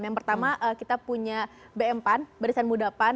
yang pertama kita punya bem pan bersan muda pan